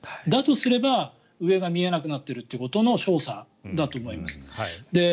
だとすれば上が見えなくなっているということの証左だと思います。